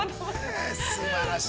◆すばらしい。